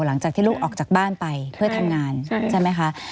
หลังจากที่ลูกออกจากบ้านไปเพื่อทำงานใช่ไหมคะ